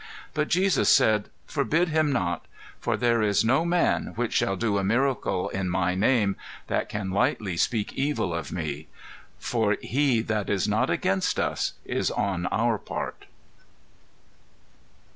¶BUT JESUS SAID, FORBID HIM NOT: FOR THERE IS NO MAN WHICH SHALL DO A MIRACLE IN MY NAME, THAT CAN LIGHTLY SPEAK EVIL OF ME. ¶FOR HE THAT IS NOT AGAINST US IS ON OUR PART.